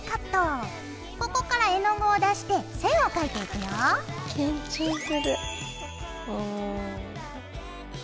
ここから絵の具を出して線を書いていくよ。緊張する。